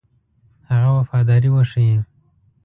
هغه وفاداري وښيي.